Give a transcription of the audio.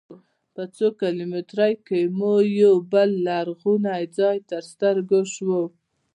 په څو کیلومترۍ کې مو یوه بل لرغونی ځاې تر سترګو سو.